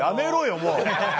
もう。